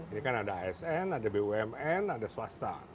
ini kan ada asn ada bumn ada swasta